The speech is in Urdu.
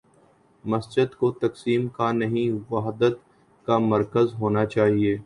مسجد کو تقسیم کا نہیں، وحدت کا مرکز ہو نا چاہیے۔